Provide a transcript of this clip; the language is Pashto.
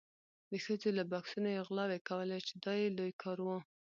د ښځو له بکسونو یې غلاوې کولې چې دا یې لوی کار و.